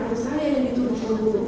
arus saya yang diturunkan untuk